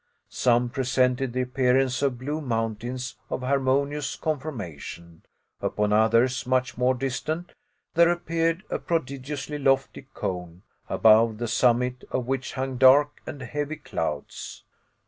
Some presented the appearance of blue mountains of harmonious conformation; upon others, much more distant, there appeared a prodigiously lofty cone, above the summit of which hung dark and heavy clouds.